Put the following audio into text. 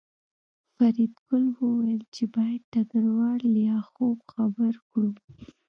فریدګل وویل چې باید ډګروال لیاخوف خبر کړو